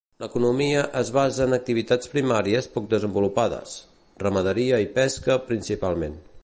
L'economia es basa en activitats primàries poc desenvolupades: ramaderia i pesca principalment.